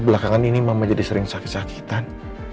belakangan ini mama jadi sering sakit sakitan